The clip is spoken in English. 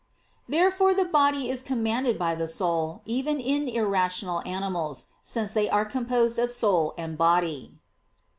Therefore the body is commanded by the soul, even in irrational animals, since they are composed of soul and body.